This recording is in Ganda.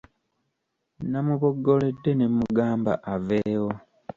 Namuboggoledde ne mmugamba aveewo.